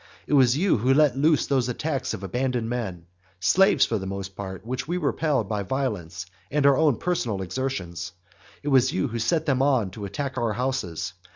It was you who let loose those attacks of abandoned men, slaves for the most part, which we repelled by violence and our own personal exertions; it was you who set them on to attack our houses.